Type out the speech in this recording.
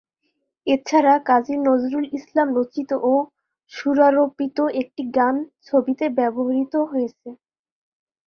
এছাড়া কাজী নজরুল ইসলাম রচিত ও সুরারোপিত একটি গান ছবিতে ব্যবহৃত হয়েছে।